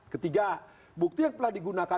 ketiga bukti yang telah digunakan